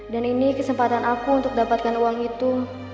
dan ini kesempatan aku untuk dapatkan uang itu